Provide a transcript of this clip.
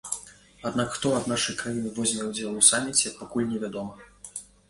Аднак хто ад нашай краіны возьме ўдзел у саміце, пакуль невядома.